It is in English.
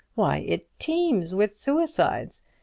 why, it teems with suicides.